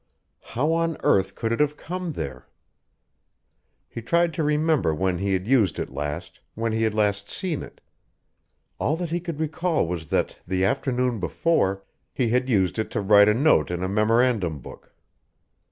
How on earth could it have come there? He tried to remember when he had used it last, when he had last seen it. All that he could recall was that, the afternoon before, he had used it to write a note in a memorandum book.